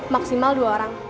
maksimal dua orang